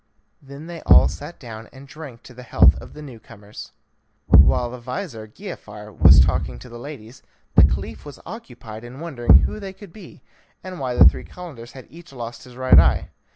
Then they all sat down, and drank to the health of the new comers. While the vizir, Giafar, was talking to the ladies the Caliph was occupied in wondering who they could be, and why the three Calenders had each lost his right eye.